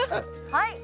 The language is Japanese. はい。